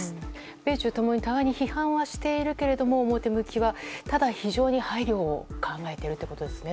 米中共に互いに批判はしているけれども表向きはただ、非常に配慮を考えているということですね。